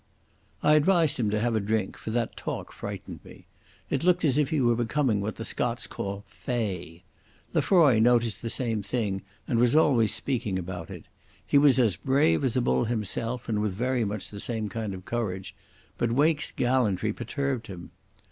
I advised him to have a drink, for that talk frightened me. It looked as if he were becoming what the Scots call "fey". Lefroy noticed the same thing and was always speaking about it. He was as brave as a bull himself, and with very much the same kind of courage; but Wake's gallantry perturbed him.